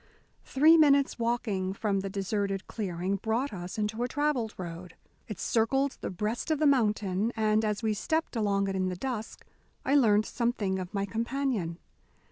Three minutes' walking from the deserted clearing brought us into a travelled road. It circled the breast of the mountain, and as we stepped along it in the dusk I learned something of my companion.